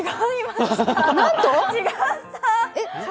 違った。